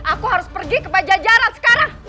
aku harus pergi ke pajajaran sekarang